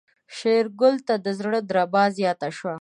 شېرګل ته د زړه دربا زياته شوه.